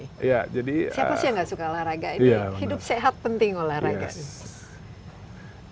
siapa sih yang gak suka olahraga ini hidup sehat penting olahraga